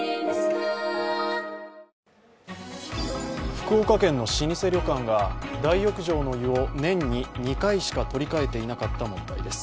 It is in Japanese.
福岡県の老舗旅館が大浴場の湯を年に２回しか取り替えていなかった問題です。